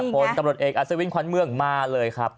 ผลตำรวจเอกอัศวินขวัญเมืองมาเลยครับ